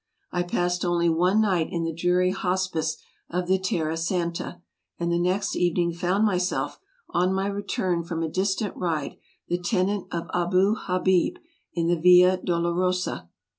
I passed only one night in the dreary hospice of the Terra Santa, and the next even ing found myself, on my return from a distant ride, the ten ant of Abou Habib, in the Via Dolorosa.